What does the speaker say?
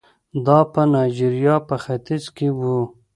دا په نایجریا په ختیځ کې وو.